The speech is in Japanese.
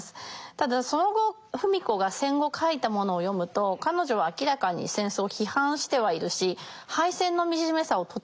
ただその後芙美子が戦後書いたものを読むと彼女は明らかに戦争を批判してはいるし敗戦の惨めさをとてもうまく書いてます。